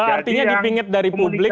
artinya dipingit dari publik